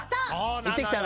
行ってきたの？